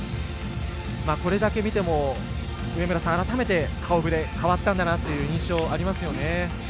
これだけ見ても改めて顔ぶれ変わったんだなという印象ありますよね。